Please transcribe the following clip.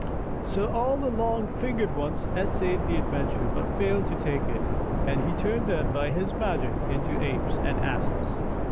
So all the long fingered ones essayed the adventure, but failed to take it, and he turned them by his magic into apes and asses."